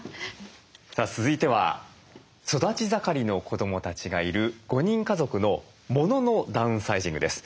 続いては育ち盛りの子どもたちがいる５人家族のモノのダウンサイジングです。